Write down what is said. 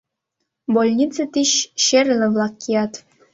Больнице тич черле-влак кият.